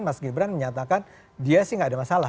mas gibran menyatakan dia sih nggak ada masalah